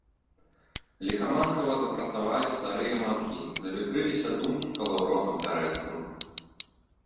Ліхаманкава запрацавалі старыя мазгі, завіхрыліся думкі калаўротам пярэстым.